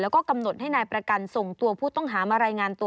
แล้วก็กำหนดให้นายประกันส่งตัวผู้ต้องหามารายงานตัว